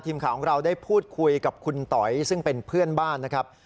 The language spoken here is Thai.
ทีมข่าวของเราได้พูดคุยกับคุณต๋อยซึ่งเป็นเพื่อนบ้านนะครับ